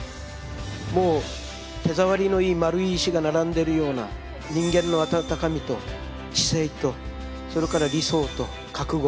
もう手触りのいい丸い石が並んでるような人間の温かみと知性とそれから理想と覚悟。